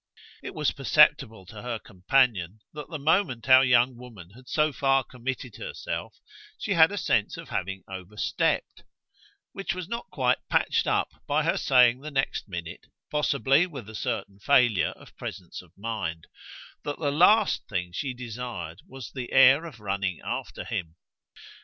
It was perceptible to her companion that the moment our young woman had so far committed herself she had a sense of having overstepped; which was not quite patched up by her saying the next minute, possibly with a certain failure of presence of mind, that the last thing she desired was the air of running after him.